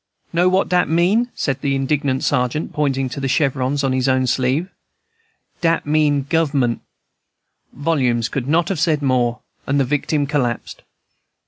"Know what dat mean?" said the indignant sergeant, pointing to the chevrons on his own sleeve. "Dat mean Guv'ment." Volumes could not have said more, and the victim collapsed.